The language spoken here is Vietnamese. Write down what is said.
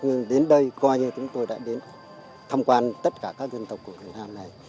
nhưng đến đây coi như chúng tôi đã đến thăm quan tất cả các dân tộc của việt nam này